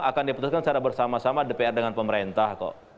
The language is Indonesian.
akan diputuskan secara bersama sama dpr dengan pemerintah kok